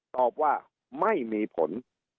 ตอบว่าไม่มีผล